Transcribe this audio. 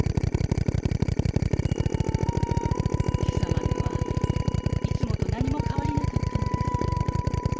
今朝まではいつもと何も変わりなかったのです。